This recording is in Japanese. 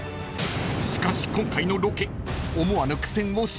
［しかし今回のロケ］